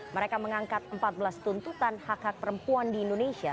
mereka mengangkat empat belas tuntutan hak hak perempuan di indonesia